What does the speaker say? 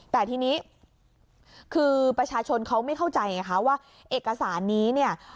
แต่ทีนี้คือประชาชนเขาไม่เข้าใจว่าเอกสารนี้